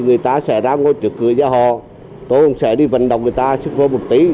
người ta sẽ ra ngôi trước cửa nhà họ tôi cũng sẽ đi vận động người ta sức mua một tí